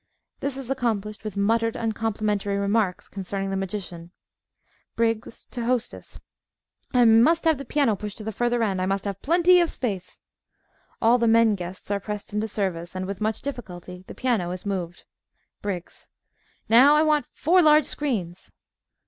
(This is accomplished with muttered uncomplimentary remarks concerning the magician.) BRIGGS (to Hostess) I must have the piano pushed to the further end. I must have plenty of space. (All the men guests are pressed into service, and, with much difficulty the piano is moved.) BRIGGS Now, I want four large screens.